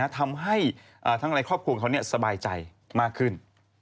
ทำให้ทั้งในครอบครัวเขาสบายใจมากขึ้น